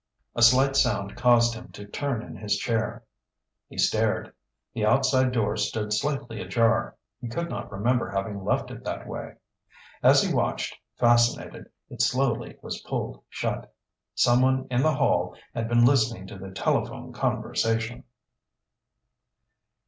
A slight sound caused him to turn in his chair. He stared. The outside door stood slightly ajar. He could not remember having left it that way. As he watched, fascinated, it slowly was pulled shut. Someone in the hall had been listening to the telephone conversation!